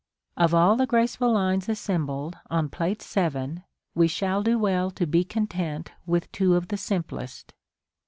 Of all the graceful lines assembled on Plate VII., we shall do well to be content with two of the simplest.